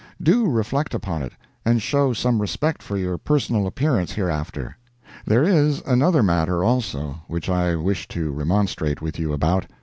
Do reflect upon it, and show some respect for your personal appearance hereafter. There is another matter, also, which I wish to remonstrate with you about.